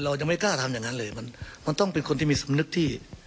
ยังไม่กล้าทำอย่างนั้นเลยมันต้องเป็นคนที่มีสำนึกที่